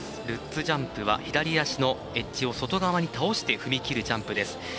ルッツジャンプは左足のエッジを外側に倒して踏み切るジャンプです。